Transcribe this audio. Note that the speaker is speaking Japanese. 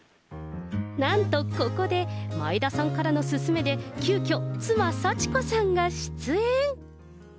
なんとここで、前田さんからの勧めで、急きょ、妻、幸子さんが出演。